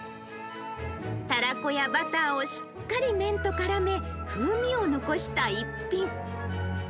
たらこやバターをしっかり麺とからめ、風味を残した逸品。